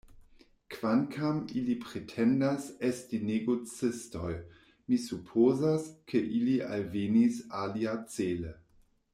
Kvankam ili pretendas esti negocistoj, mi supozas, ke ili alvenis aliacele.